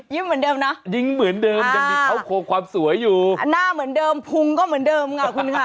เหมือนเดิมนะยิ้มเหมือนเดิมยังมีเขาโครงความสวยอยู่หน้าเหมือนเดิมพุงก็เหมือนเดิมค่ะคุณค่ะ